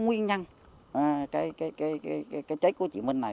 rõ nguyên nhân cái trách của chị minh này